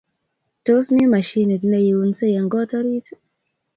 Tos mi mashinit ne iunsei eng got orit